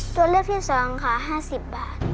ตัวเลือกที่๒ค่ะ๕๐บาท